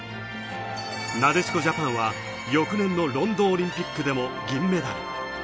なでしこジャパンは翌年のロンドンオリンピックでも銀メダル。